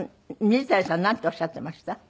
水谷さんなんておっしゃっていました？